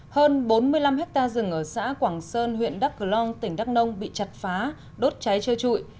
hơn bốn mươi năm hectare rừng ở xã quảng sơn huyện đắk cửa long tỉnh đắk nông bị chặt phá đốt cháy chưa trụi